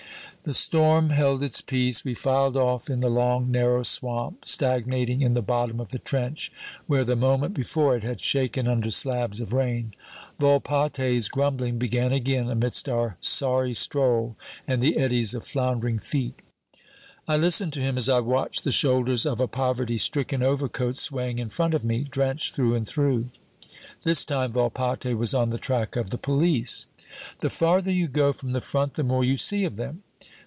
The storm held its peace. We filed off in the long narrow swamp stagnating in the bottom of the trench where the moment before it had shaken under slabs of rain. Volpatte's grumbling began again amidst our sorry stroll and the eddies of floundering feet. I listened to him as I watched the shoulders of a poverty stricken overcoat swaying in front of me, drenched through and through. This time Volpatte was on the track of the police "The farther you go from the front the more you see of them."